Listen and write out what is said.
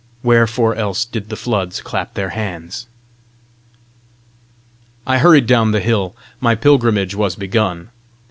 Wherefore else did the floods clap their hands? I hurried down the hill: my pilgrimage was begun!